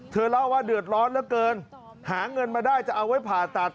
เล่าว่าเดือดร้อนเหลือเกินหาเงินมาได้จะเอาไว้ผ่าตัด